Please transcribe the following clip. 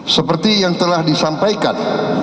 seperti yang telah disampaikan